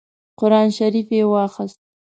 قران شریف یې واخیست.